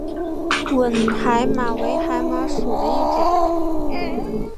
吻海马为海马属的一种。